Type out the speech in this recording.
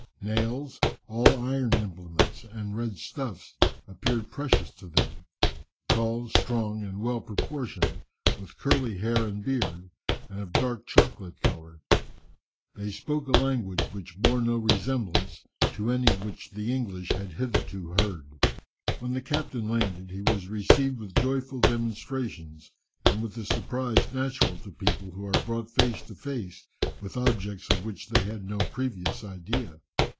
Nails, all iron implements, and red stuffs, appeared precious to them. Tall, strong, and well proportioned, with curly hair and beard, and of dark chocolate colour, they spoke a language which bore no resemblance to any which the English had hitherto heard. [Illustration: "The natives had sufficient confidence."] When the captain landed he was received with joyful demonstrations, and with the surprise natural to people who are brought face to face with objects of which they have had no previous idea.